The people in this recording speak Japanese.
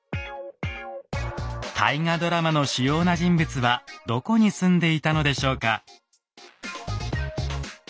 大河ドラマの主要な人物はどこに住んでいたのでしょうか。